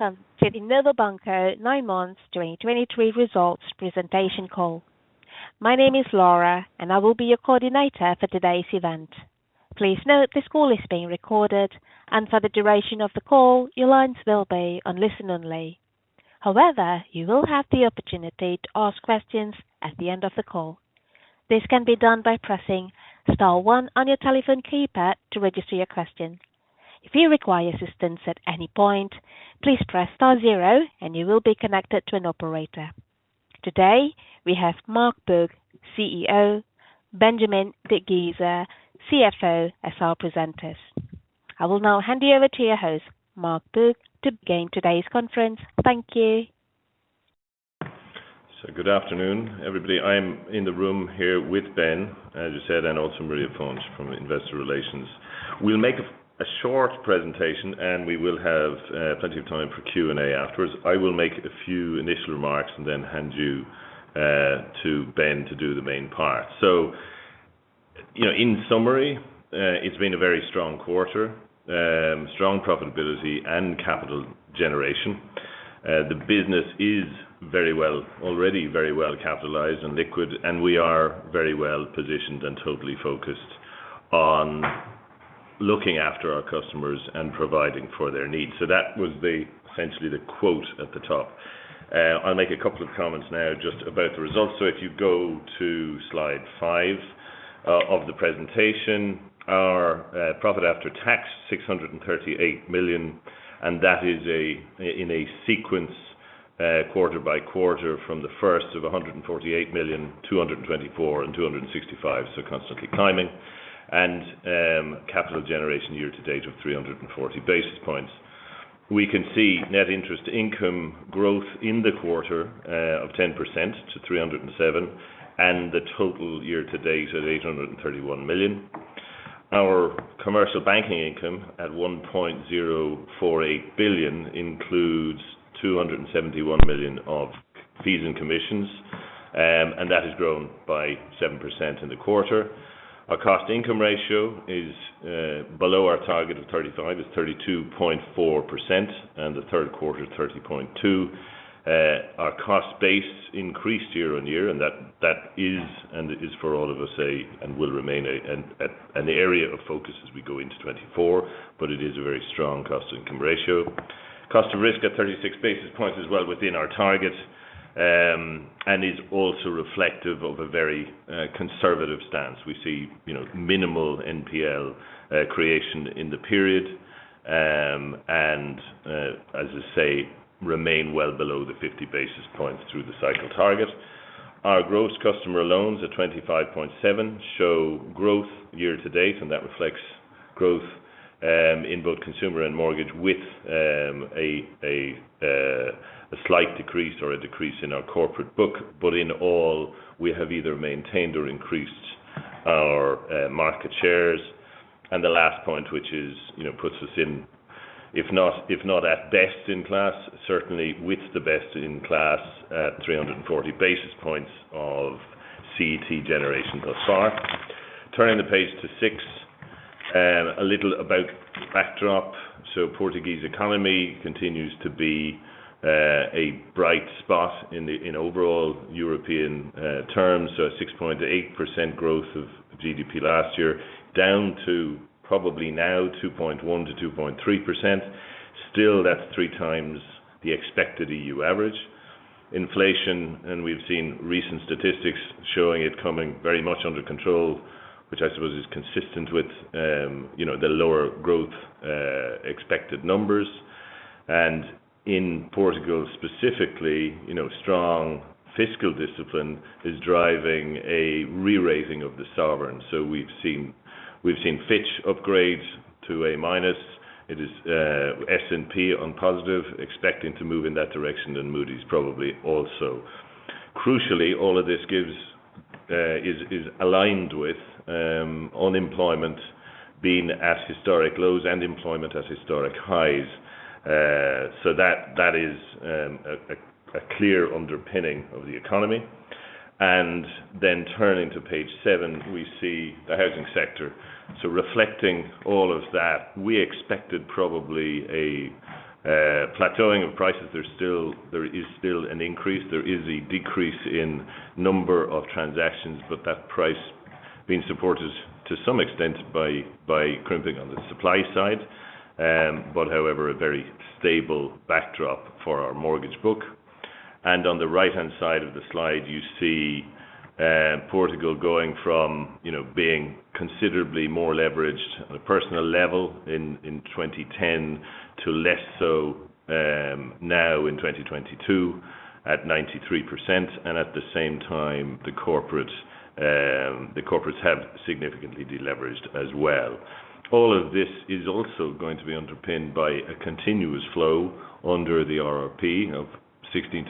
Welcome to the Novo Banco 9 months 2023 results presentation call. My name is Laura, and I will be your coordinator for today's event. Please note, this call is being recorded, and for the duration of the call, your lines will be on listen-only. However, you will have the opportunity to ask questions at the end of the call. This can be done by pressing star one on your telephone keypad to register your question. If you require assistance at any point, please press star zero, and you will be connected to an operator. Today, we have Mark Bourke, CEO, Benjamin de Giraud d'Agay, CFO, as our presenters. I will now hand you over to your host, Mark Bourke, to begin today's conference. Thank you. Good afternoon, everybody. I'm in the room here with Ben, as you said, and also Maria Fontes from Investor Relations. We'll make a short presentation, and we will have plenty of time for Q&A afterwards. I will make a few initial remarks and then hand you to Ben to do the main part. So, you know, in summary, it's been a very strong quarter, strong profitability and capital generation. The business is very well already very well capitalized and liquid, and we are very well positioned and totally focused on looking after our customers and providing for their needs. So that was the, essentially, the quote at the top. I'll make a couple of comments now just about the results. So if you go to slide 5 of the presentation, our profit after tax, 638 million, and that is a, in a sequence, quarter by quarter from the first of 148 million, 224 million and 265 million, so constantly climbing. Capital generation year to date of 340 basis points. We can see net interest income growth in the quarter of 10% to 307 million, and the total year to date at 831 million. Our commercial banking income at 1.048 billion includes 271 million of fees and commissions, and that has grown by 7% in the quarter. Our cost income ratio is below our target of 35, it's 32.4%, and the third quarter, 30.2%. Our cost base increased year-on-year, and that is, and it is for all of us, an area of focus as we go into 2024, but it is a very strong cost income ratio. Cost of risk at 36 basis points is well within our target, and is also reflective of a very conservative stance. We see, you know, minimal NPL creation in the period, and, as I say, remain well below the 50 basis points through the cycle target. Our gross customer loans at 25.7 billion show growth year to date, and that reflects growth in both consumer and mortgage with a slight decrease or a decrease in our corporate book. But in all, we have either maintained or increased our market shares. And the last point, which is, you know, puts us in, if not at best in class, certainly with the best in class at 340 basis points of CET generation thus far. Turning the page to six, a little about the backdrop. So Portuguese economy continues to be a bright spot in overall European terms. So a 6.8% growth of GDP last year, down to probably now 2.1%-2.3%. Still, that's three times the expected EU average. Inflation, and we've seen recent statistics showing it coming very much under control, which I suppose is consistent with, you know, the lower growth expected numbers. And in Portugal specifically, you know, strong fiscal discipline is driving a re-rating of the sovereign. So we've seen, we've seen Fitch upgrades to A minus. It is S&P on positive, expecting to move in that direction, and Moody's probably also. Crucially, all of this is aligned with unemployment being at historic lows and employment at historic highs. So that is a clear underpinning of the economy. And then turning to page seven, we see the housing sector. So reflecting all of that, we expected probably a plateauing of prices. There's still - there is still an increase. There is a decrease in number of transactions, but that price being supported to some extent by crimping on the supply side. But however, a very stable backdrop for our mortgage book. And on the right-hand side of the slide, you see Portugal going from, you know, being considerably more leveraged at a personal level in 2010 to less so now in 2022 at 93%. And at the same time, the corporate, the corporates have significantly deleveraged as well. All of this is also going to be underpinned by a continuous flow under the RRP of EUR 16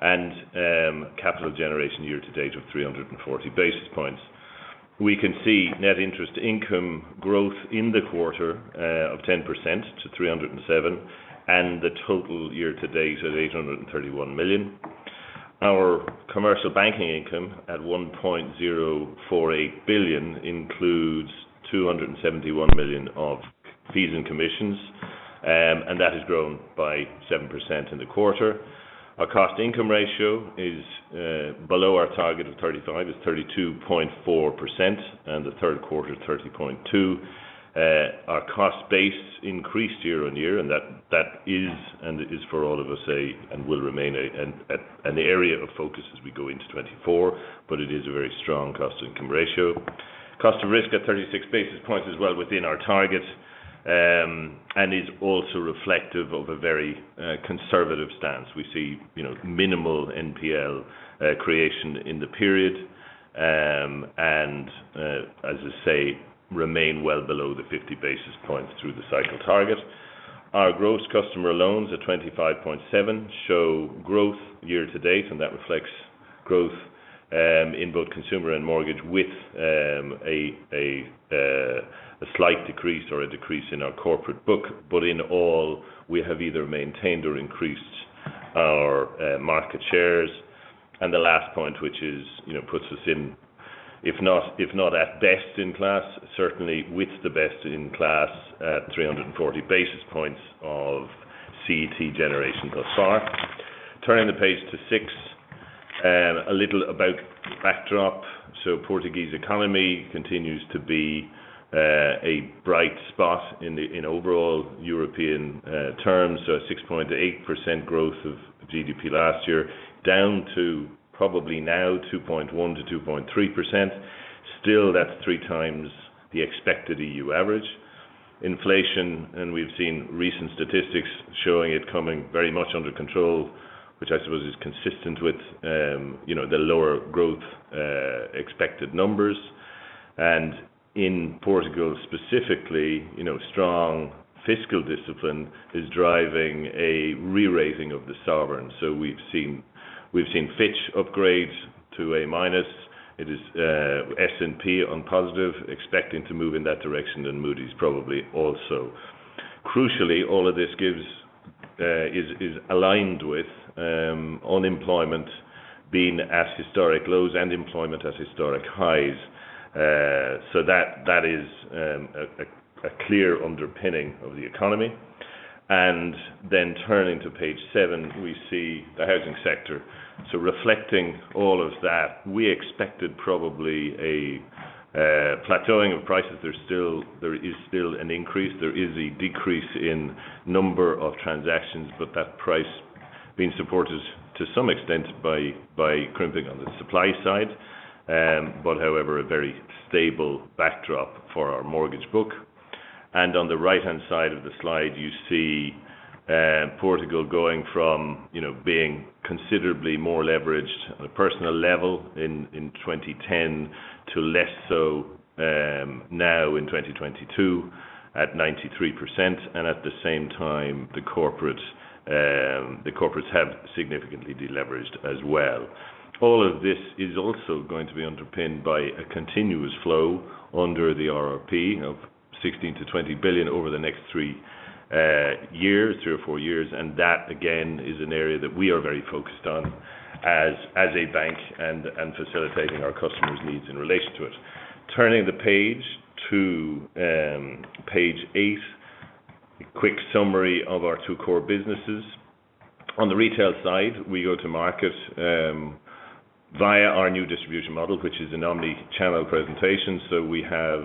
billion-EUR 20 billion over the next three years, three or four years. And that, again, is an area that we are very focused on as a bank and facilitating our customers' needs in relation to it. Turning the page to page eight. A quick summary of our two core businesses. On the retail side, we go to market via our new distribution model, which is an omni-channel presentation. So we have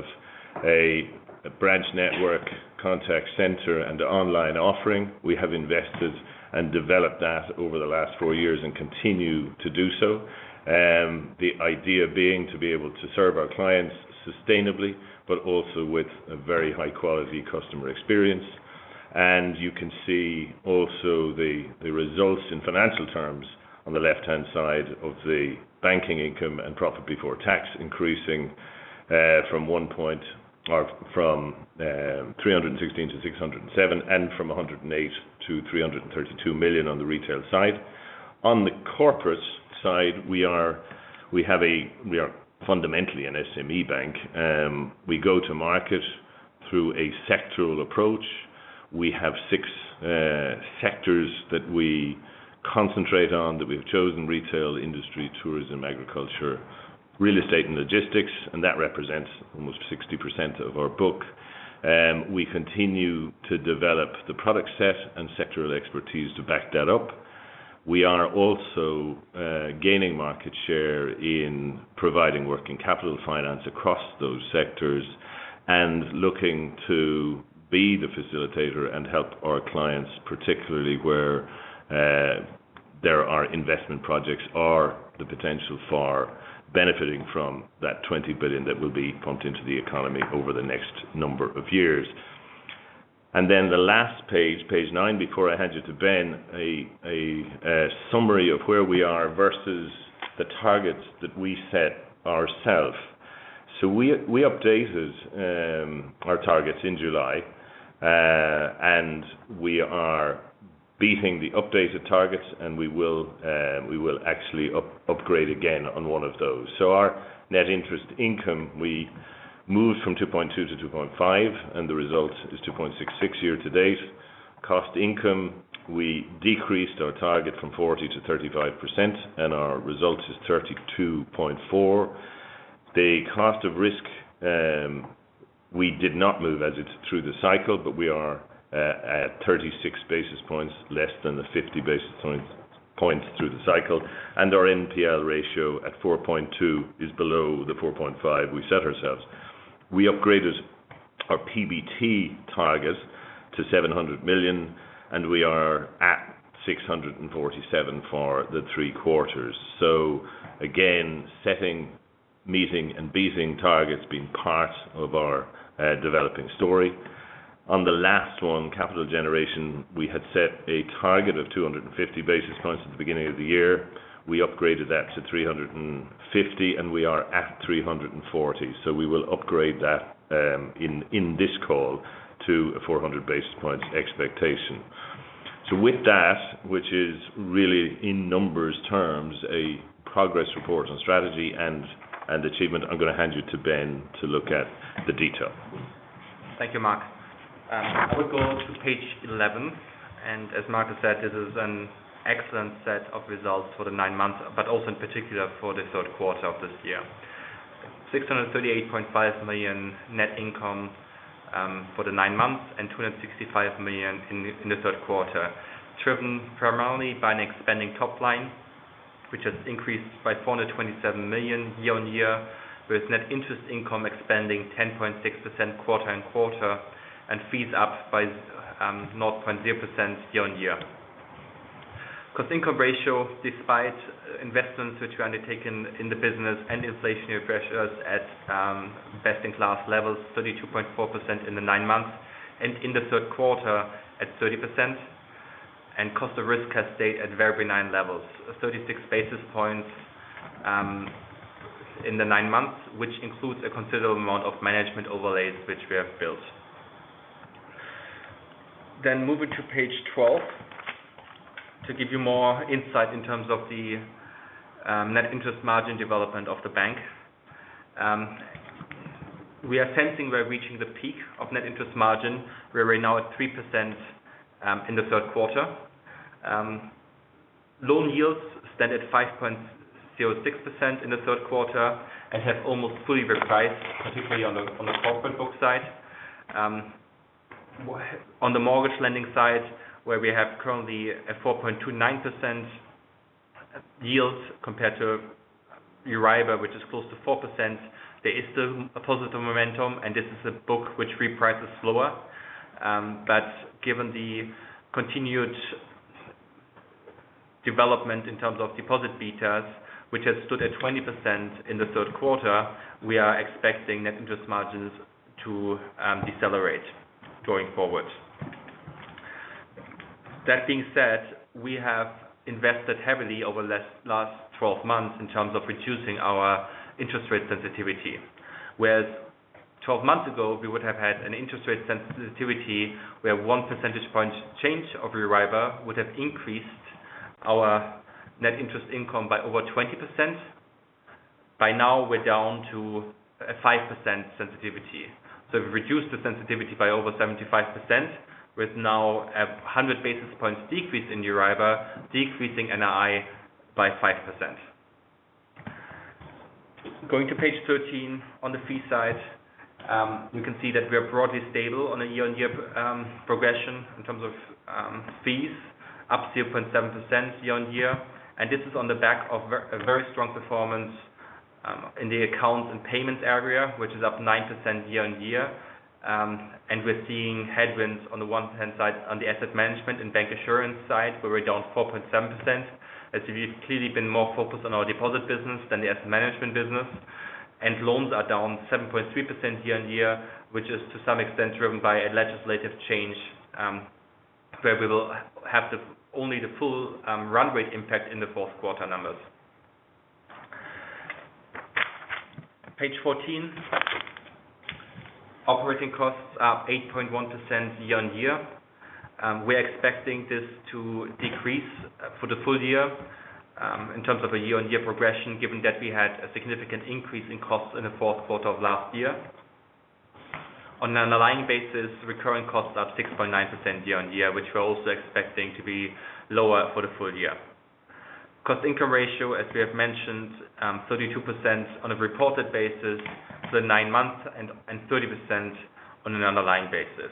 a branch network, contact center, and online offering. We have invested and developed that over the last four years and continue to do so. The idea being to be able to serve our clients sustainably, but also with a very high-quality customer experience. You can see also the results in financial terms on the left-hand side of the banking income and profit before tax increasing from 316 million-607 million, and from 108 million-332 million on the retail side. On the corporate side, we are fundamentally an SME bank. We go to market through a sectoral approach. We have six sectors that we there are investment projects or the potential for benefiting from that 20 billion that will be pumped into the economy over the next number of years. And then the last page, page 9, before I hand you to Ben, a summary of where we are versus the targets that we set ourselves. So we updated our targets in July, and we are beating the updated targets, and we will actually upgrade again on one of those. So our net interest income, we moved from 2.2 to 2.5, and the result is 2.66 year-to-date. Cost income, we decreased our target from 40 to 35%, and our result is 32.4%. The cost of risk, we did not move as it's through the cycle, but we are at, at 36 basis points, less than the 50 basis points through the cycle. And our NPL ratio at 4.2, is below the 4.5 we set ourselves. We upgraded our PBT target to 700 million, and we are at 647 million for the three quarters. So again, setting, meeting, and beating targets being part of our developing story. On the last one, capital generation, we had set a target of 250 basis points at the beginning of the year. We upgraded that to 350, and we are at 340. So we will upgrade that in this call to a 400 basis points expectation. So with that, which is really, in numbers terms, a progress report on strategy and achievement, I'm gonna hand you to Ben to look at the detail. Thank you, Mark. I will go to page 11, and as Mark has said, this is an excellent set of results for the nine months, but also in particular for the third quarter of this year. 638.5 million net income for the nine months, and 265 million in the third quarter, driven primarily by an expanding top line, which has increased by 427 million year-on-year, with net interest income expanding 10.6% quarter-on-quarter, and fees up by 0.7% year-on-year. Cost income ratio, despite investments which were undertaken in the business and inflationary pressures at best-in-class levels, 32.4% in the nine months, and in the third quarter at 30%. Cost of risk has stayed at very benign levels, 36 basis points, in the nine months, which includes a considerable amount of management overlays, which we have built. Then moving to page 12. To give you more insight in terms of the net interest margin development of the bank. We are sensing we're reaching the peak of net interest margin. We're right now at 3%, in the third quarter. Loan yields stand at 5.06% in the third quarter and have almost fully repriced, particularly on the corporate book side. On the mortgage lending side, where we have currently a 4.29% yields compared to Euribor, which is close to 4%, there is still a positive momentum, and this is a book which reprices slower. But given the continued development in terms of deposit betas, which has stood at 20% in the third quarter, we are expecting net interest margins to decelerate going forward. That being said, we have invested heavily over the last 12 months in terms of reducing our interest rate sensitivity, whereas 12 months ago, we would have had an interest rate sensitivity, where 1 percentage point change of Euribor would have increased our net interest income by over 20%. By now, we're down to a 5% sensitivity. So we've reduced the sensitivity by over 75%, with now a 100 basis points decrease in Euribor, decreasing NII by 5%. Going to page 13, on the fee side, you can see that we are broadly stable on a year-on-year progression in terms of fees up 0.7% year-on-year. This is on the back of a very strong performance in the accounts and payments area, which is up 9% year-on-year. And we're seeing headwinds on the one hand side, on the asset management and bank assurance side, where we're down 4.7%, as we've clearly been more focused on our deposit business than the asset management business. And loans are down 7.3% year-on-year, which is to some extent driven by a legislative change, where we will have only the full runway impact in the fourth quarter numbers. Page 14. Operating costs are up 8.1% year-on-year. We're expecting this to decrease for the full year in terms of a year-on-year progression, given that we had a significant increase in costs in the fourth quarter of last year. On an underlying basis, recurring costs are up 6.9% year-on-year, which we're also expecting to be lower for the full year. Cost income ratio, as we have mentioned, 32% on a reported basis for the nine months, and 30% on an underlying basis.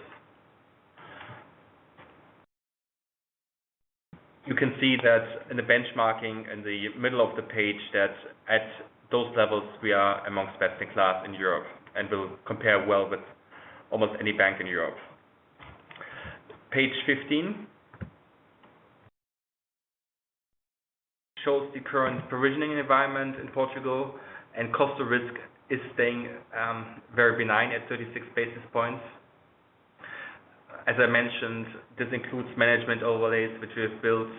You can see that in the benchmarking in the middle of the page, that at those levels, we are among best-in-class in Europe, and will compare well with almost any bank in Europe. Page 15 shows the current provisioning environment in Portugal, and cost of risk is staying very benign at 36 basis points. As I mentioned, this includes management overlays, which we have built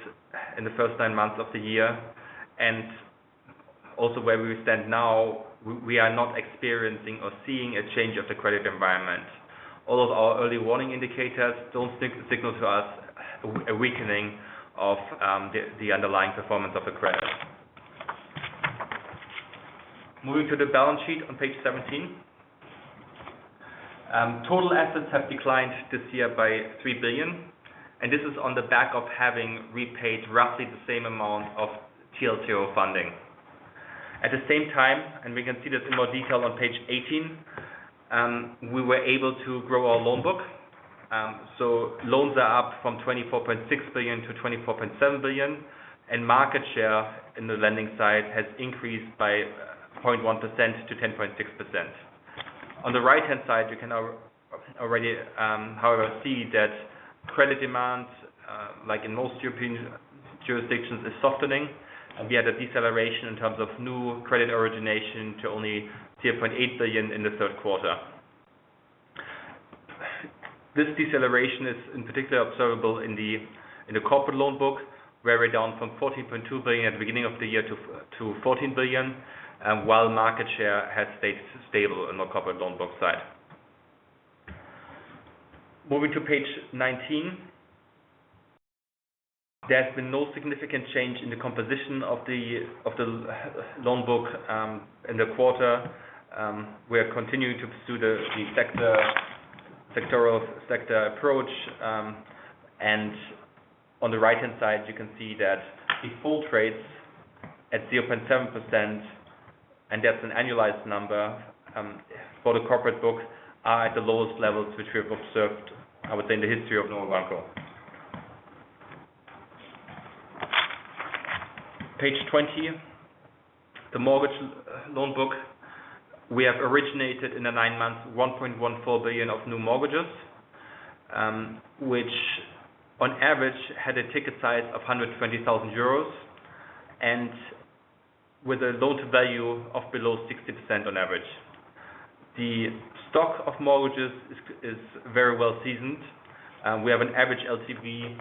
in the first nine months of the year, and also where we stand now, we are not experiencing or seeing a change of the credit environment. All of our early warning indicators don't signal to us a weakening of the underlying performance of the credit. Moving to the balance sheet on page 17. Total assets have declined this year by 3 billion, and this is on the back of having repaid roughly the same amount of TLTRO funding. At the same time, and we can see this in more detail on page 18, we were able to grow our loan book. So loans are up from 24.6 billion to 24.7 billion, and market share in the lending side has increased by 0.1% to 10.6%. On the right-hand side, you can now already, however, see that credit demand, like in most European jurisdictions, is softening, and we had a deceleration in terms of new credit origination to only 0.8 billion in the third quarter. This deceleration is in particular observable in the corporate loan book, where we're down from 14.2 billion at the beginning of the year to 14 billion, while market share has stayed stable on the corporate loan book side. Moving to page 19. There has been no significant change in the composition of the loan book in the quarter. We are continuing to pursue the sectoral approach. And on the right-hand side, you can see that default rates at 0.7%, and that's an annualized number, for the corporate book, are at the lowest levels which we have observed, I would say, in the history of Novo Banco. Page 20, the mortgage loan book. We have originated in the nine months, 1.14 billion of new mortgages, which on average had a ticket size of 120,000 euros, and with a loan-to-value of below 60% on average. The stock of mortgages is very well seasoned. We have an average LTV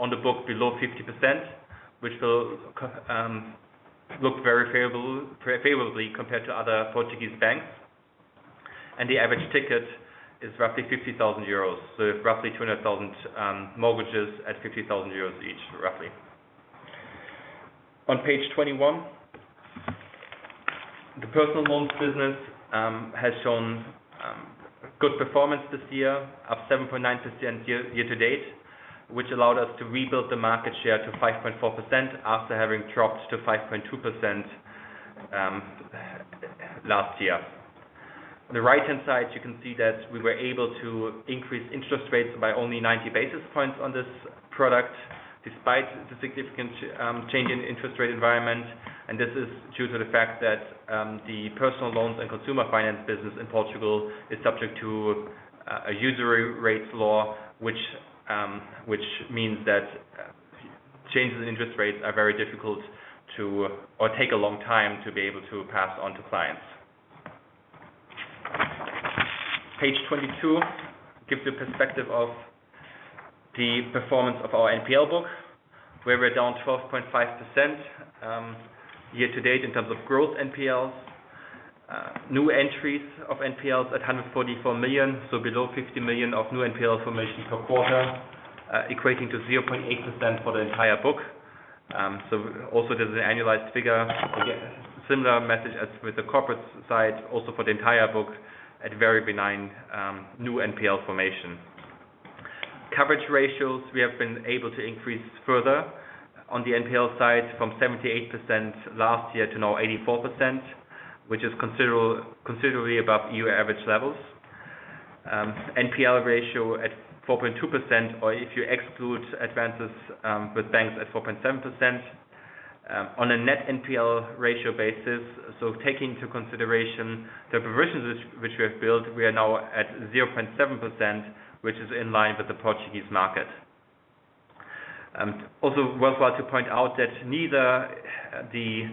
on the book below 50%, which will compare very favorably compared to other Portuguese banks. And the average ticket is roughly 50,000 euros, so roughly 200,000 mortgages at 50,000 euros each, roughly. On page 21, the personal loans business has shown good performance this year, up 7.9% year-to-date, which allowed us to rebuild the market share to 5.4% after having dropped to 5.2% last year. On the right-hand side, you can see that we were able to increase interest rates by only 90 basis points on this product, despite the significant change in interest rate environment. This is due to the fact that the personal loans and consumer finance business in Portugal is subject to a Usury Rates Law, which means that changes in interest rates are very difficult to, or take a long time to be able to pass on to clients. Page 22 gives the perspective of the performance of our NPL book, where we're down 12.5%, year-to-date in terms of growth NPLs. New entries of NPLs at 144 million, so below 50 million of new NPL formation per quarter, equating to 0.8% for the entire book. So also there's an annualized figure, similar message as with the corporate side, also for the entire book at very benign new NPL formation. Coverage ratios, we have been able to increase further on the NPL side from 78% last year to now 84%, which is considerably above EU average levels. NPL ratio at 4.2%, or if you exclude advances with banks at 4.7%. On a net NPL ratio basis, so taking into consideration the provisions which we have built, we are now at 0.7%, which is in line with the Portuguese market. Also worthwhile to point out that neither the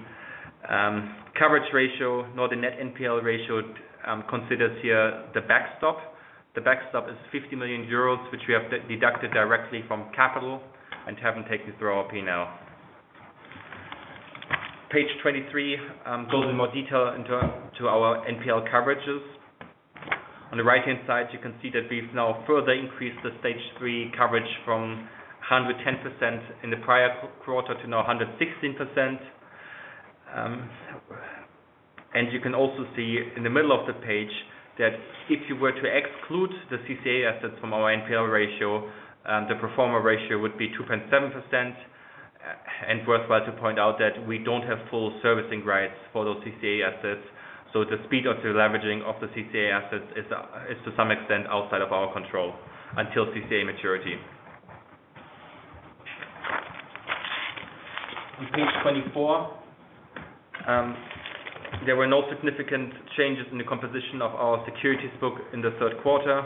coverage ratio nor the net NPL ratio considers here the backstop. The backstop is 50 million euros, which we have deducted directly from capital and haven't taken through our P&L. Page 23 goes in more detail into our NPL coverages. On the right-hand side, you can see that we've now further increased the stage three coverage from 110% in the prior quarter to now 116%. You can also see in the middle of the page that if you were to exclude the CCA assets from our NPL ratio, the pro forma ratio would be 2.7%. Worthwhile to point out that we don't have full servicing rights for those CCA assets, so the speed of the deleveraging of the CCA assets is to some extent outside of our control until CCA maturity. On page 24, there were no significant changes in the composition of our securities book in the third quarter.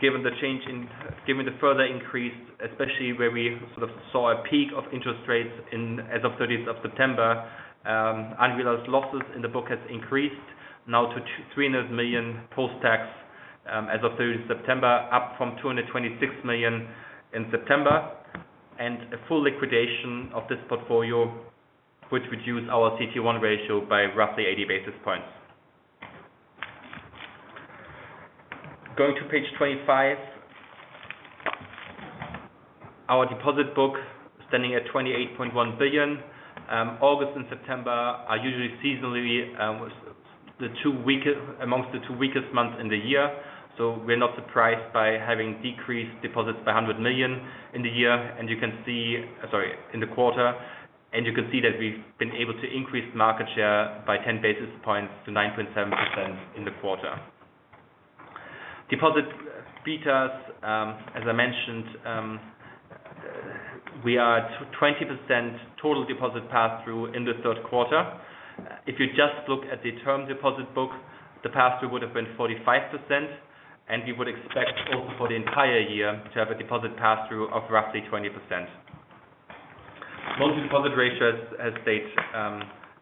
Given the further increase, especially where we sort of saw a peak of interest rates in, as of 30th of September, unrealized losses in the book has increased now to 300 million post-tax, as of 30th September, up from 226 million in September, and a full liquidation of this portfolio, which would reduce our CET1 ratio by roughly 80 basis points. Going to page 25, our deposit book standing at 28.1 billion. August and September are usually seasonally, the two weakest amongst the two weakest months in the year, so we're not surprised by having decreased deposits by 100 million in the year. You can see... Sorry, in the quarter, and you can see that we've been able to increase market share by 10 basis points to 9.7% in the quarter. Deposit betas, as I mentioned, we are at 20% total deposit pass-through in the third quarter. If you just look at the term deposit book, the pass-through would have been 45%, and we would expect also for the entire year to have a deposit pass-through of roughly 20%. Loan-to-deposit ratios has stayed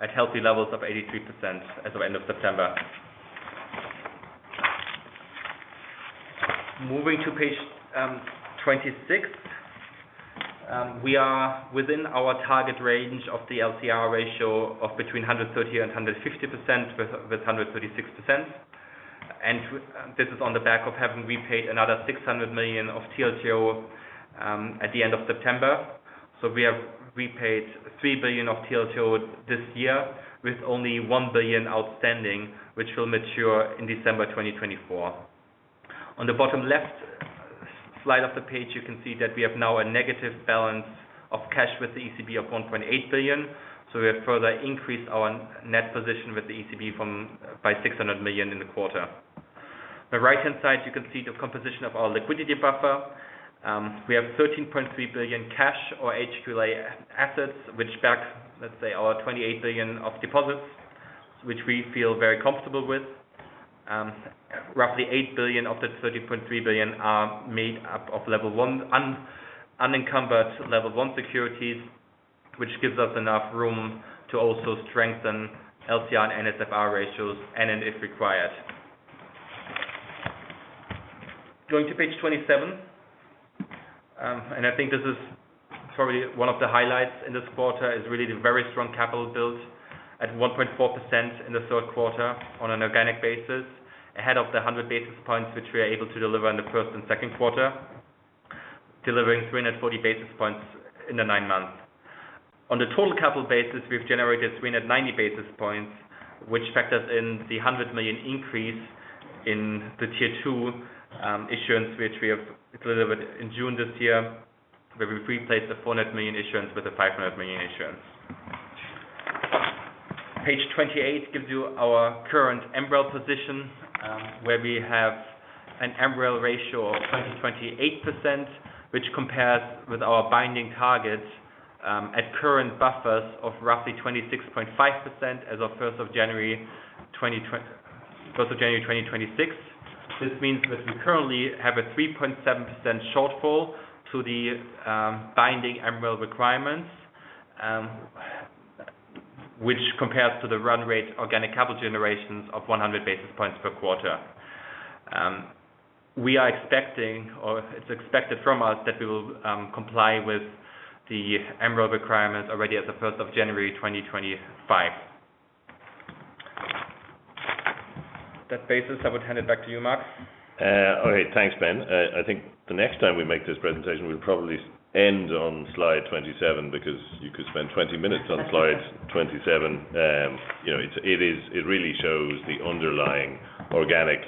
at healthy levels of 83% as of end of September. Moving to page 26. We are within our target range of the LCR ratio of between 130% and 150%, with 136%. And this is on the back of having repaid another 600 million of TLT at the end of September. So we have repaid 3 billion of TLTRO this year, with only 1 billion outstanding, which will mature in December 2024. On the bottom left slide of the page, you can see that we have now a negative balance of cash with the ECB of 1.8 billion. So we have further increased our net position with the ECB from-- by 600 million in the quarter. The right-hand side, you can see the composition of our liquidity buffer. We have 13.3 billion cash or HQLA assets, which back, let's say, our 28 billion of deposits, which we feel very comfortable with. Roughly 8 billion of the 13.3 billion are made up of level one unencumbered level one securities, which gives us enough room to also strengthen LCR and NSFR ratios and then if required. Going to page 27, and I think this is probably one of the highlights in this quarter, is really the very strong capital build at 1.4% in the third quarter on an organic basis, ahead of the 100 basis points, which we are able to deliver in the first and second quarter, delivering 340 basis points in the nine months. On the total capital basis, we've generated 390 basis points, which factors in the 100 million increase in the Tier 2 issuance, which we have delivered in June this year, where we've replaced the 400 million issuance with the 500 million issuance. Page 28 gives you our current MREL position, where we have an MREL ratio of 28%, which compares with our binding targets at current buffers of roughly 26.5% as of first of January 2026. This means that we currently have a 3.7% shortfall to the binding MREL requirements, which compares to the run rate organic capital generations of 100 basis points per quarter. We are expecting, or it's expected from us, that we will comply with the MREL requirements already as of first of January 2025. That basis, I would hand it back to you, Mark. Okay. Thanks, Ben. I think the next time we make this presentation, we'll probably end on slide 27, because you could spend 20 minutes on slide 27. You know, it really shows the underlying organic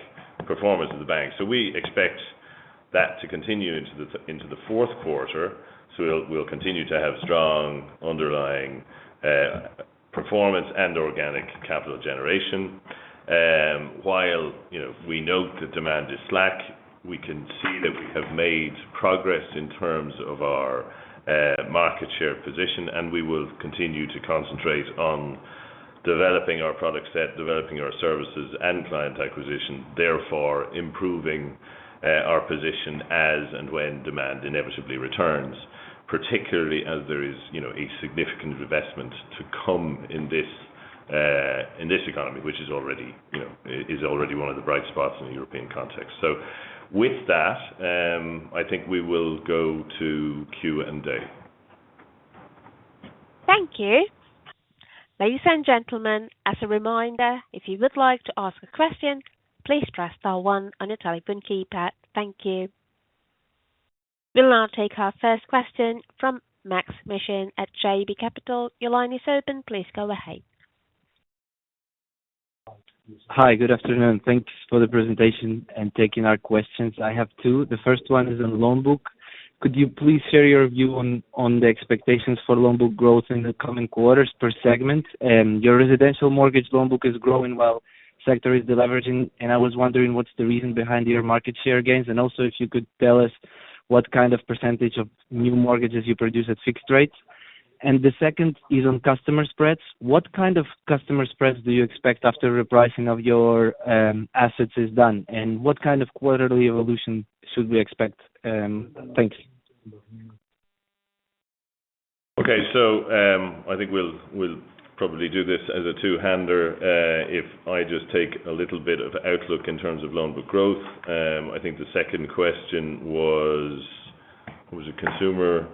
performance of the bank. So we expect that to continue into the fourth quarter. So we'll continue to have strong underlying performance and organic capital generation. While, you know, we note that demand is slack, we can see that we have made progress in terms of our market share position, and we will continue to concentrate on developing our product set, developing our services and client acquisition, therefore improving our position as and when demand inevitably returns. Particularly as there is, you know, a significant investment to come in this economy, which is already, you know, one of the bright spots in the European context. So with that, I think we will go to Q&A. Thank you. Ladies and gentlemen, as a reminder, if you would like to ask a question, please press star one on your telephone keypad. Thank you. We'll now take our first question from Maksym Mishyn at JB Capital. Your line is open. Please go ahead. Hi, good afternoon. Thanks for the presentation and taking our questions. I have two. The first one is on loan book. Could you please share your view on the expectations for loan book growth in the coming quarters per segment? Your residential mortgage loan book is growing while sector is deleveraging, and I was wondering, what's the reason behind your market share gains? And also, if you could tell us what kind of percentage of new mortgages you produce at fixed rates? And the second is on customer spreads. What kind of customer spreads do you expect after repricing of your assets is done, and what kind of quarterly evolution should we expect? Thanks. Okay. So, I think we'll probably do this as a two-hander. If I just take a little bit of outlook in terms of loan book growth. I think the second question was, it was a consumer...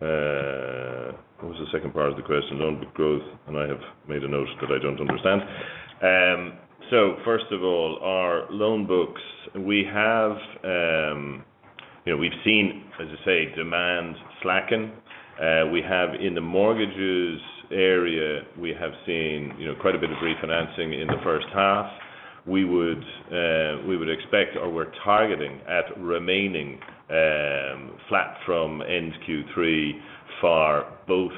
What was the second part of the question? Loan book growth, and I have made a note that I don't understand. So first of all, our loan books, we have, you know, we've seen, as I say, demand slacken. We have in the mortgages area, we have seen, you know, quite a bit of refinancing in the first half. We would expect or we're targeting at remaining flat from end Q3 for both,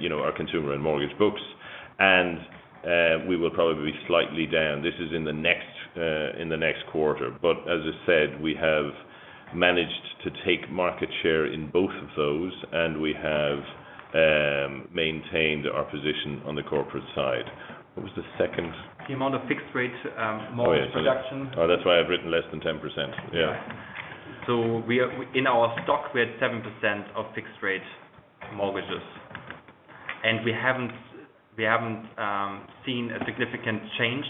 you know, our consumer and mortgage books, and we will probably be slightly down. This is in the next quarter. But as I said, we have managed to take market share in both of those, and we have maintained our position on the corporate side. What was the second? The amount of fixed rate mortgage production. Oh, yeah. Oh, that's why I've written less than 10%. Yeah. So, in our stock, we had 7% of fixed rate mortgages, and we haven't seen a significant change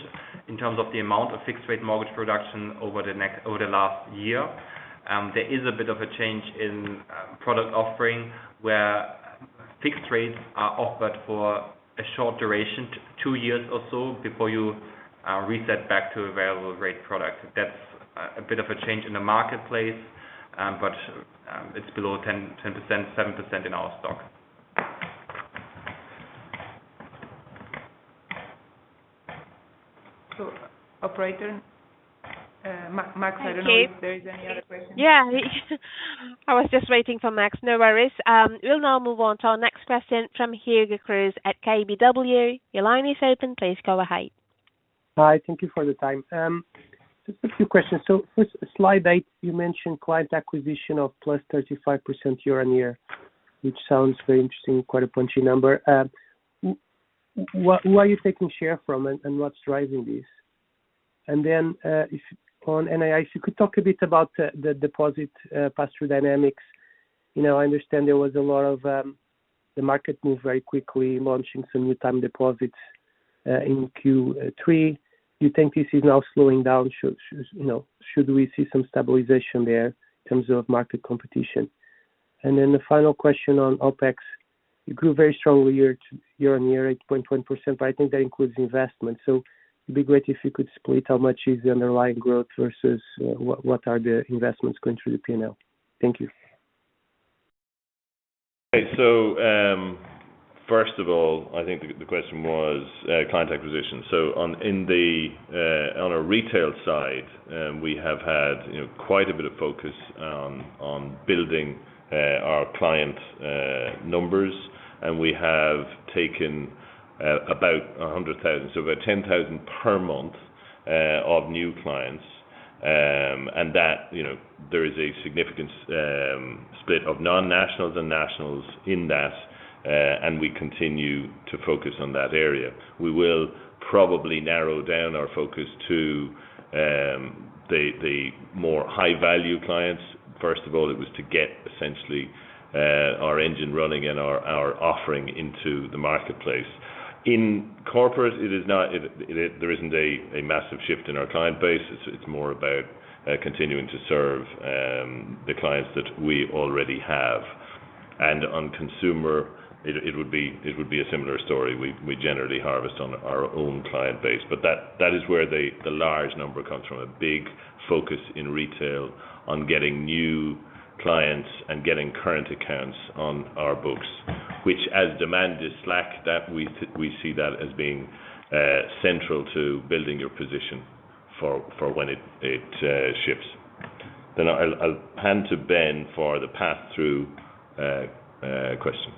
in terms of the amount of fixed rate mortgage production over the last year. There is a bit of a change in product offering, where fixed rates are offered for a short duration, two years or so, before you reset back to a variable rate product. That's a bit of a change in the marketplace, but it's below 10, 10%, 7% in our stock. So operator, Mark, I don't know if there is any other question. Thank you. Yeah, I was just waiting for Mark. No worries. We'll now move on to our next question from Hugo Cruz at KBW. Your line is open. Please go ahead. Hi, thank you for the time. Just a few questions. So with slide eight, you mentioned client acquisition of +35% year-on-year, which sounds very interesting, quite a punchy number. Where are you taking share from and what's driving this? And then, if on NII, if you could talk a bit about the deposit pass-through dynamics. You know, I understand there was a lot of the market moved very quickly, launching some new time deposits in Q3. You think this is now slowing down, should we see some stabilization there in terms of market competition? And then the final question on OpEx. You grew very strongly year-on-year, 8.1%, but I think that includes investment. So it'd be great if you could split how much is the underlying growth versus what, what are the investments going through the P&L? Thank you. Okay. So, first of all, I think the question was client acquisition. So on our retail side, we have had, you know, quite a bit of focus on building our client numbers. And we have taken about 100,000, so about 10,000 per month of new clients. And that, you know, there is a significant split of non-nationals and nationals in that, and we continue to focus on that area. We will probably narrow down our focus to the more high-value clients. First of all, it was to get essentially our engine running and our offering into the marketplace. In corporate, there isn't a massive shift in our client base. It's more about continuing to serve the clients that we already have. On consumer, it would be a similar story. We generally harvest on our own client base, but that is where the large number comes from, a big focus in retail on getting new clients and getting current accounts on our books, which, as demand is slack, we see that as being central to building your position for when it shifts. Then I'll hand to Ben for the pass-through question.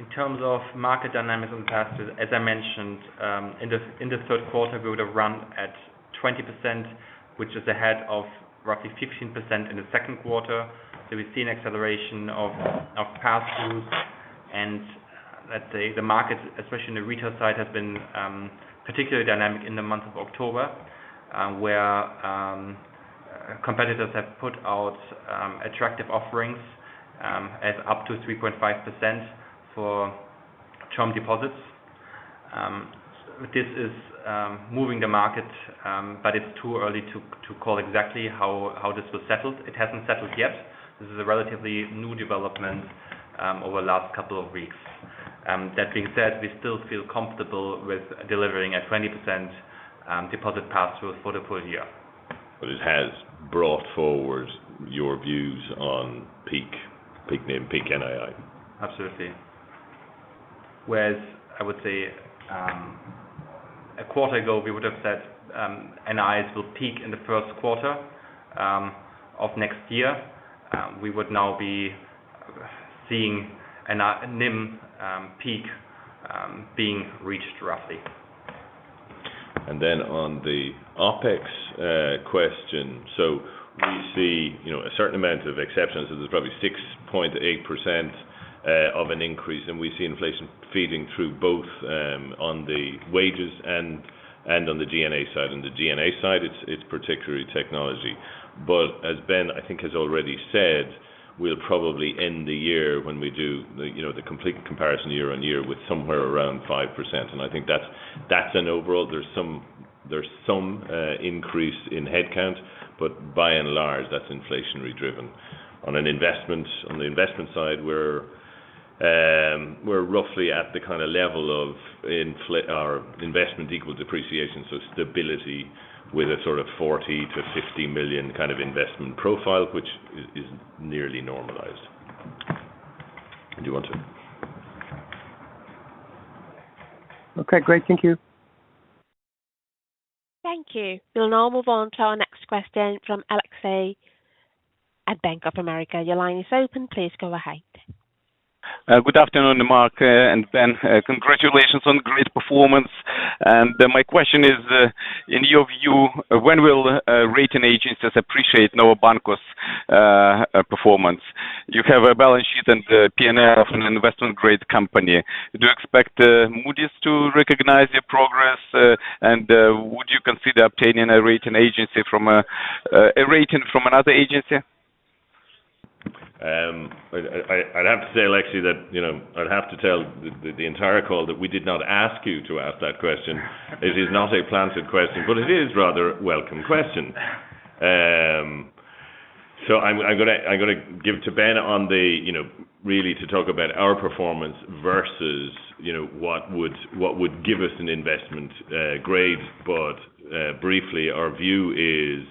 Yeah. In terms of market dynamics on pass-through, as I mentioned, in the third quarter, we would have run at 20%, which is ahead of roughly 15% in the second quarter. So we've seen acceleration of pass-throughs. And let's say the market, especially in the retail side, has been particularly dynamic in the month of October, where competitors have put out attractive offerings at up to 3.5% for term deposits. This is moving the market, but it's too early to call exactly how this was settled. It hasn't settled yet. This is a relatively new development over the last couple of weeks. That being said, we still feel comfortable with delivering a 20% deposit pass-through for the full year. It has brought forward your views on peak NIM, peak NII. Absolutely. Whereas, I would say, a quarter ago, we would have said, NIIs will peak in the first quarter of next year. We would now be seeing an NIM peak being reached roughly. Then on the OpEx question, so we see, you know, a certain amount of exceptions. There's probably 6.8% of an increase, and we see inflation feeding through both on the wages and on the G&A side. And the G&A side, it's particularly technology. But as Ben, I think, has already said, we'll probably end the year when we do the, you know, the complete comparison year-on-year with somewhere around 5%. And I think that's an overall. There's some increase in headcount, but by and large, that's inflation-driven. On the investment side, we're roughly at the kind of level of inflation or investment equals depreciation, so stability with a sort of 40 million-50 million kind of investment profile, which is nearly normalized. Do you want to? Okay, great. Thank you. Thank you. We'll now move on to our next question from Aleksej at Bank of America. Your line is open, please go ahead. Good afternoon, Mark, and Ben. Congratulations on great performance. My question is, in your view, when will rating agencies appreciate Novo Banco's performance? You have a balance sheet and P&L of an investment-grade company. Do you expect Moody's to recognize your progress, and would you consider obtaining a rating from another agency? I'd have to say, Aleksej, that, you know, I'd have to tell the entire call that we did not ask you to ask that question. It is not a planted question, but it is rather a welcome question. So I'm gonna give to Ben, you know, really to talk about our performance versus, you know, what would give us an investment grade. But briefly, our view is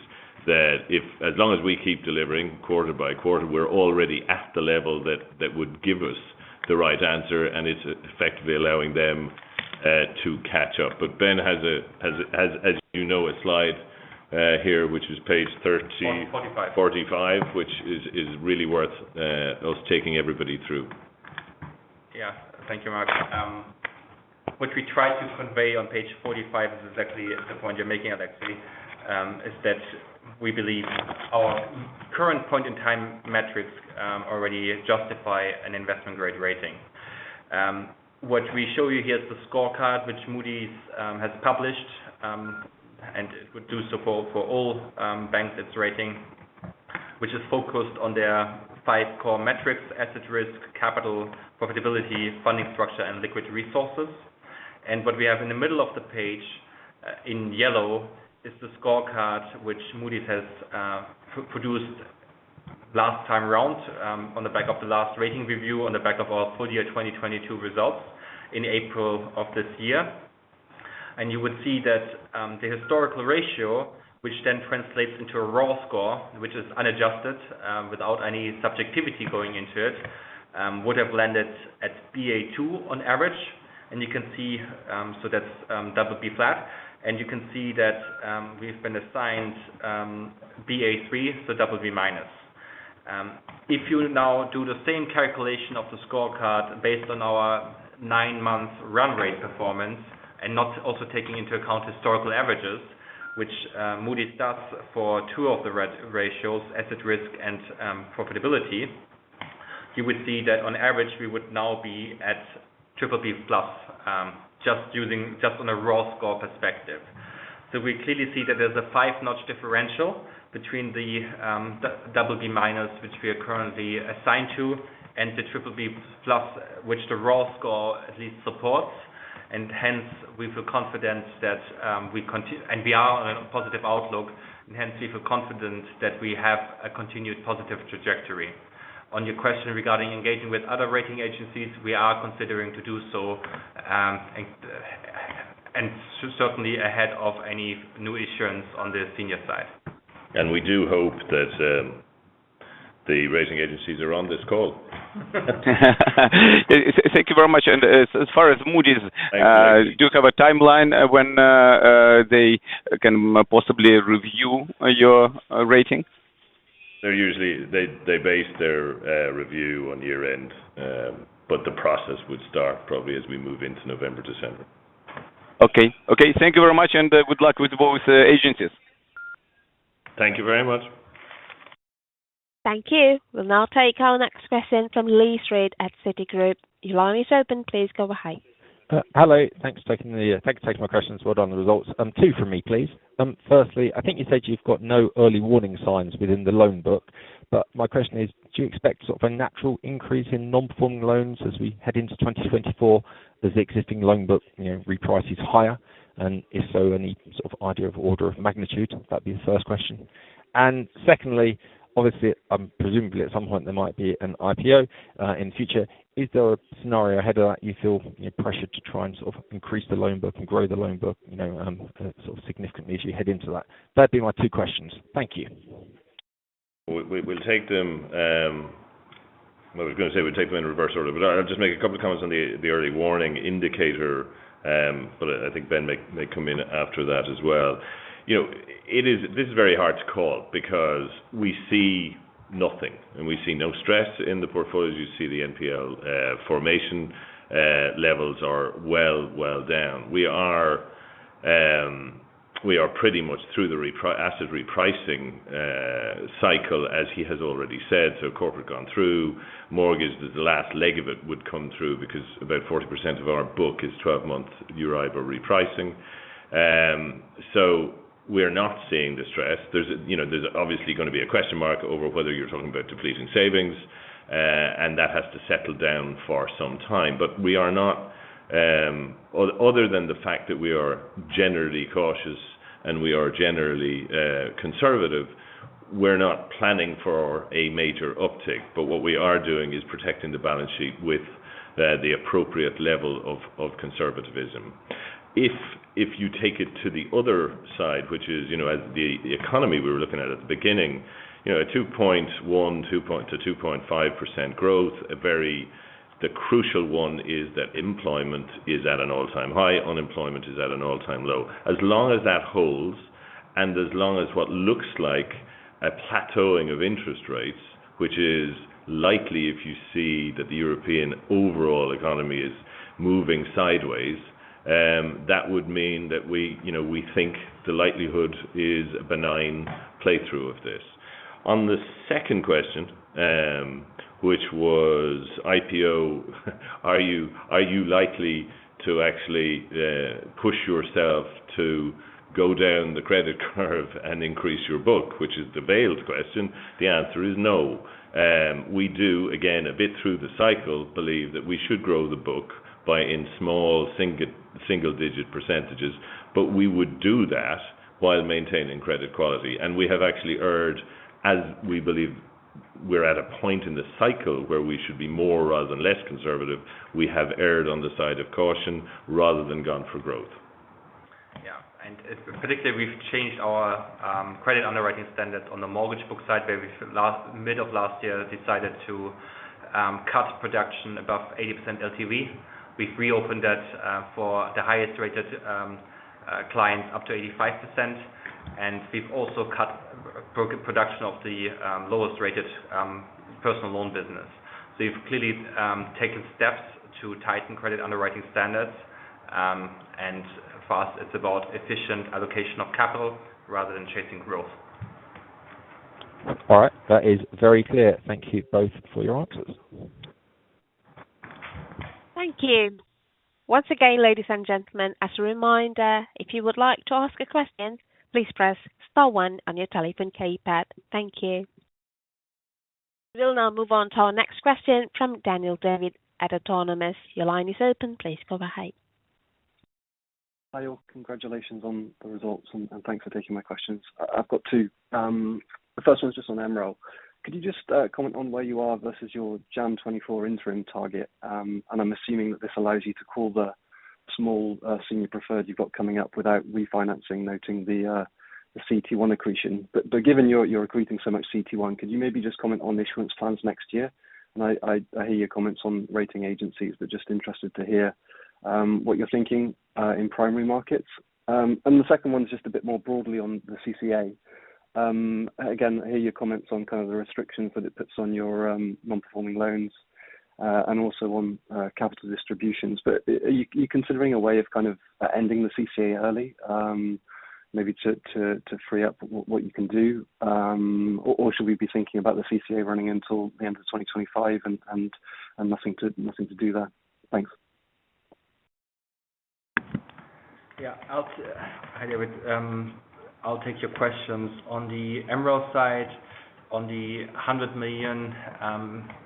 that if—as long as we keep delivering quarter by quarter, we're already at the level that would give us the right answer, and it's effectively allowing them to catch up. But Ben has, as you know, a slide here, which is page 13- Forty-five. 45, which is really worth us taking everybody through. Yeah. Thank you, Mark. What we try to convey on page 45 is exactly the point you're making, Aleksej, is that we believe our current point-in-time metrics already justify an investment-grade rating. What we show you here is the scorecard, which Moody's has published, and it would do so for all banks it's rating, which is focused on their five core metrics: asset risk, capital, profitability, funding structure, and liquid resources. What we have in the middle of the page, in yellow, is the scorecard, which Moody's has produced last time around, on the back of the last rating review, on the back of our full year 2022 results in April of this year. You would see that the historical ratio, which then translates into a raw score, which is unadjusted, without any subjectivity going into it, would have landed at Baa2 on average. You can see. So that's double B flat, and you can see that we've been assigned Baa3, so double B minus. If you now do the same calculation of the scorecard based on our 9-month run rate performance, and not also taking into account historical averages, which Moody's does for two of the ratios, asset risk and profitability, you would see that on average, we would now be at triple B plus, just using--just on a raw score perspective. So we clearly see that there's a 5-notch differential between the BB-, which we are currently assigned to, and the BBB+, which the raw score at least supports. And hence, we feel confident that we are on a positive outlook, and hence we feel confident that we have a continued positive trajectory. On your question regarding engaging with other rating agencies, we are considering to do so, and certainly ahead of any new issuance on the senior side. We do hope that the rating agencies are on this call. Thank you very much. As far as Moody's- Thank you. Do you have a timeline when they can possibly review your rating? So usually they base their review on year-end, but the process would start probably as we move into November, December. Okay. Okay, thank you very much, and good luck with both agencies. Thank you very much. Thank you. We'll now take our next question from Lee Street at Citigroup. Your line is open. Please go ahead. Hello, thanks for taking my questions. Well, on the results. Two for me, please. Firstly, I think you said you've got no early warning signs within the loan book, but my question is: do you expect sort of a natural increase in non-performing loans as we head into 2024? As the existing loan book, you know, reprices higher, and if so, any sort of idea of order of magnitude? That'd be the first question. And secondly, obviously, presumably at some point there might be an IPO in the future. Is there a scenario ahead of that you feel, you know, pressured to try and sort of increase the loan book and grow the loan book, you know, sort of significantly as you head into that? That'd be my two questions. Thank you. We'll take them in reverse order. But I'll just make a couple of comments on the early warning indicator, but I think Ben may come in after that as well. You know, it is. This is very hard to call because we see nothing, and we see no stress in the portfolios. You see the NPL formation levels are well down. We are pretty much through the asset repricing cycle, as he has already said. So corporate gone through, mortgage, the last leg of it would come through because about 40% of our book is 12-month Euribor repricing. So we're not seeing the stress. There's, you know, there's obviously gonna be a question mark over whether you're talking about depleting savings, and that has to settle down for some time. But we are not, other than the fact that we are generally cautious and we are generally, conservative, we're not planning for a major uptick, but what we are doing is protecting the balance sheet with, the appropriate level of conservatism. If you take it to the other side, which is, you know, as the economy we were looking at, at the beginning, you know, a 2.1, 2.2-2.5% growth, a very, the crucial one is that employment is at an all-time high, unemployment is at an all-time low. As long as that holds, and as long as what looks like a plateauing of interest rates, which is likely if you see that the European overall economy is moving sideways, that would mean that we, you know, we think the likelihood is a benign play through of this. On the second question, which was IPO, are you, are you likely to actually push yourself to go down the credit curve and increase your book, which is the veiled question? The answer is no. We do, again, a bit through the cycle, believe that we should grow the book by in small single-digit percentages, but we would do that while maintaining credit quality. And we have actually erred, as we believe we're at a point in the cycle, where we should be more rather than less conservative. We have erred on the side of caution rather than gone for growth. Yeah, and it, particularly, we've changed our credit underwriting standards on the mortgage book side, where we've mid of last year decided to cut production above 80% LTV. We've reopened that for the highest-rated clients up to 85%, and we've also cut production of the lowest-rated personal loan business. So we've clearly taken steps to tighten credit underwriting standards, and for us, it's about efficient allocation of capital rather than chasing growth.... All right, that is very clear. Thank you both for your answers. Thank you. Once again, ladies and gentlemen, as a reminder, if you would like to ask a question, please press star one on your telephone keypad. Thank you. We'll now move on to our next question from Daniel David at Autonomous. Your line is open. Please go ahead. Hi, all. Congratulations on the results, and thanks for taking my questions. I've got two. The first one is just on MREL. Could you just comment on where you are versus your January 2024 interim target? And I'm assuming that this allows you to call the small senior preferred you've got coming up without refinancing, noting the CET1 accretion. But given you're accreting so much CET1, could you maybe just comment on the issuance plans next year? And I hear your comments on rating agencies, but just interested to hear what you're thinking in primary markets. And the second one is just a bit more broadly on the CCA. Again, I hear your comments on kind of the restrictions that it puts on your non-performing loans and also on capital distributions. But are you considering a way of kind of ending the CCA early, maybe to free up what you can do? Or should we be thinking about the CCA running until the end of 2025 and nothing to do there? Thanks. Yeah. Hi, David. I'll take your questions. On the MREL side, on the 100 million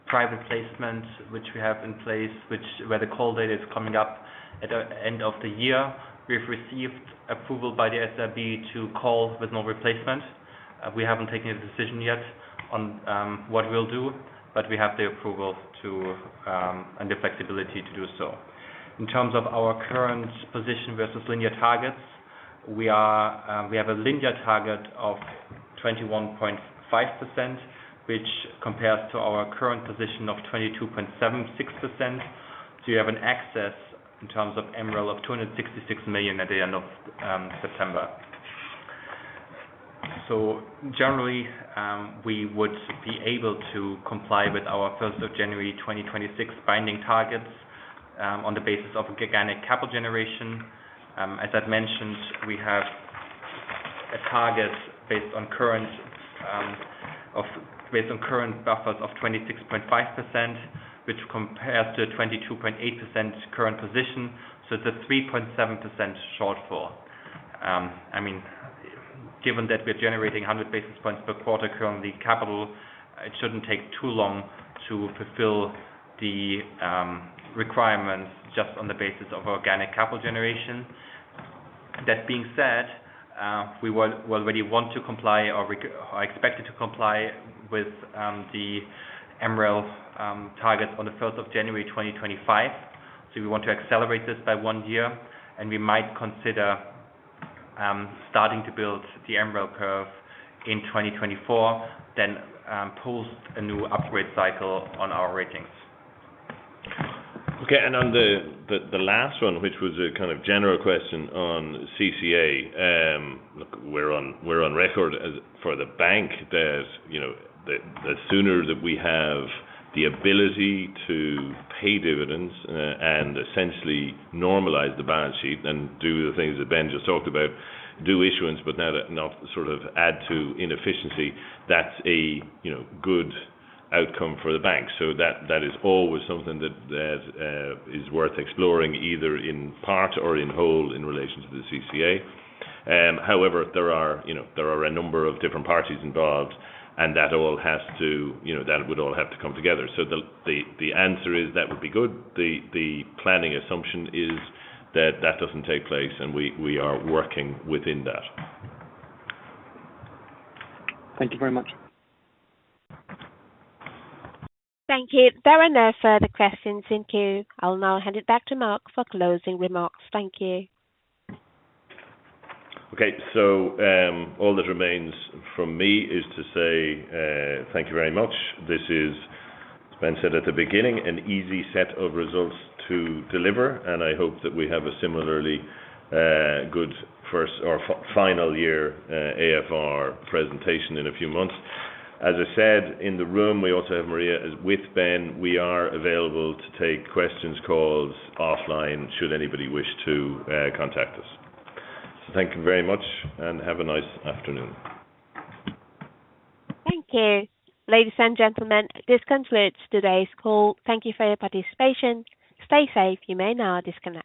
private placement, which we have in place, which where the call date is coming up at the end of the year, we've received approval by the SRB to call with no replacement. We haven't taken a decision yet on what we'll do, but we have the approval to and the flexibility to do so. In terms of our current position versus linear targets, we are we have a linear target of 21.5%, which compares to our current position of 22.76%. So you have an excess in terms of MREL of 266 million at the end of September. So generally, we would be able to comply with our January 1, 2026 binding targets on the basis of organic capital generation. As I've mentioned, we have a target based on current buffers of 26.5%, which compares to a 22.8% current position. So it's a 3.7% shortfall. I mean, given that we're generating 100 basis points per quarter currently capital, it shouldn't take too long to fulfill the requirements just on the basis of organic capital generation. That being said, we would, we already want to comply or expected to comply with the MREL target on January 1, 2025. So we want to accelerate this by one year, and we might consider starting to build the MREL curve in 2024, then post a new upgrade cycle on our ratings. Okay. And on the last one, which was a kind of general question on CCA. Look, we're on record as for the bank, there's, you know, the sooner that we have the ability to pay dividends and essentially normalize the balance sheet and do the things that Ben just talked about, do issuance, but not sort of add to inefficiency, that's a good outcome for the bank. So that is always something that is worth exploring, either in part or in whole, in relation to the CCA. However, there are a number of different parties involved, and that all has to come together. So the answer is that would be good. The planning assumption is that that doesn't take place, and we are working within that. Thank you very much. Thank you. There are no further questions in queue. I'll now hand it back to Mark for closing remarks. Thank you. Okay, so, all that remains from me is to say, thank you very much. This is, as Ben said at the beginning, an easy set of results to deliver, and I hope that we have a similarly, good first or final year, AFR proposition in a few months. As I said, in the room, we also have Maria. As with Ben, we are available to take questions, calls offline, should anybody wish to, contact us. So thank you very much, and have a nice afternoon. Thank you. Ladies and gentlemen, this concludes today's call. Thank you for your participation. Stay safe. You may now disconnect.